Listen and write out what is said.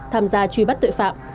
tham gia truy bắt tội phạm